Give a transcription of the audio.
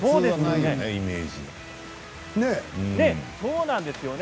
そうなんですよね